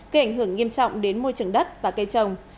gây ảnh hưởng nghiêm trọng đến môi trường đất và cây trồng